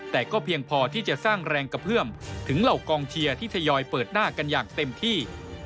แต่ก็เพียงพอที่จะสร้างแรงกระเพื่อมถึงเหล่ากองเชียร์ที่ทยอยเปิดหน้ากันอย่างเต็มที่